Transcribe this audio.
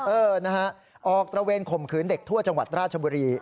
เออนะฮะออกตระเวนข่มขืนเด็กทั่วจังหวัดราชบุรี